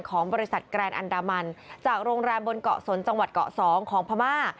ของบริษัทแกรนอันดามันจากโรงแรมบนเกาะสนจังหวัดเกาะ๒ของพม่า